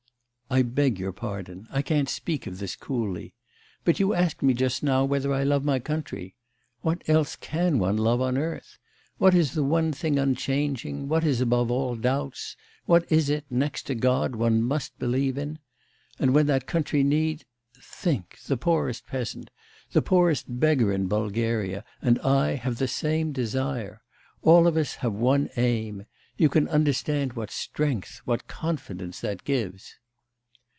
'I beg your pardon. I can't speak of this coolly. But you asked me just now whether I love my country. What else can one love on earth? What is the one thing unchanging, what is above all doubts, what is it next to God one must believe in? And when that country needs. ... Think; the poorest peasant, the poorest beggar in Bulgaria, and I have the same desire. All of us have one aim. You can understand what strength, what confidence that gives!